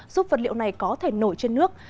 giúp vật liệu này có thể nổi trên nước